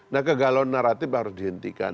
nah kegalauan naratif harus dihentikan